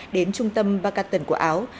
đến trung tâm bakaton của áo